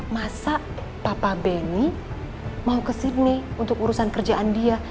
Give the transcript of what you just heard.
masa papa benny mau kesini untuk urusan kerjaan dia